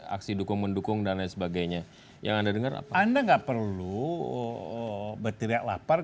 aksi dukung mendukung dan lain sebagainya yang anda dengar apa anda enggak perlu berteriak lapar